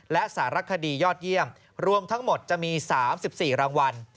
และสารคดียอดเยี่ยมรวมทั้งหมดจะมี๓๔รางวัล